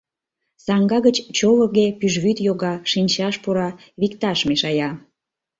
Саҥга гыч човыге пӱжвӱд йога, шинчаш пура, викташ мешая.